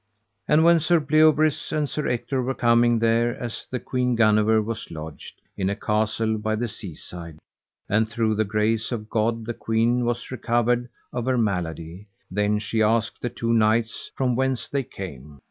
And when Sir Bleoberis and Sir Ector were come there as the Queen Guenever was lodged, in a castle by the seaside, and through the grace of God the queen was recovered of her malady, then she asked the two knights from whence they came.